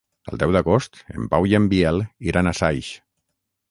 El deu d'agost en Pau i en Biel iran a Saix.